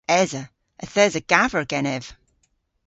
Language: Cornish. Esa. Yth esa gaver genev.